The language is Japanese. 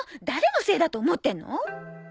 誰のせいだと思ってんの。